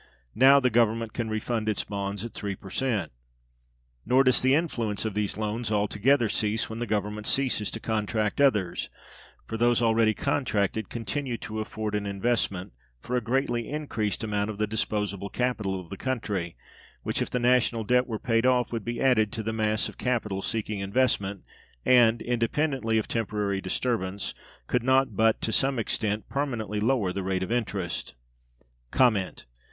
Now the Government can refund its bonds at three per cent. Nor does the influence of these loans altogether cease when the Government ceases to contract others; for those already contracted continue to afford an investment for a greatly increased amount of the disposable capital of the country, which, if the national debt were paid off, would be added to the mass of capital seeking investment, and (independently of temporary disturbance) could not but, to some extent, permanently lower the rate of interest.